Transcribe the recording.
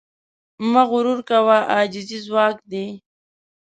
مه غرور کوه، عاجزي ځواک دی.